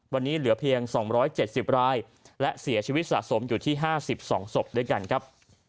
วันนี้เหลือเพียง๒๗๐รายและเสียชีวิตสะสมอยู่ที่๕๒ศพด้วยกันครับ